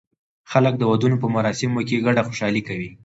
خلک د ودونو په مراسمو کې ګډه خوشالي کوي.